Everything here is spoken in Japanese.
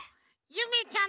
ゆめちゃん！「」「」「」「」